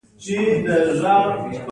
نور بدن يې د موټر له خلاصې دروازې ځوړند و.